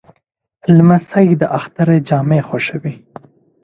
لمسی د اختر جامې خوښوي.